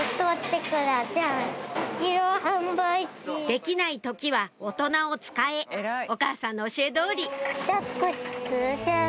「できない時は大人を使え」お母さんの教え通りはい。